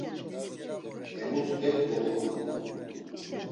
Emus ek doxunu unon.